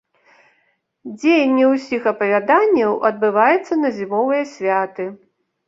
Дзеянне ўсіх апавяданняў адбываецца на зімовыя святы.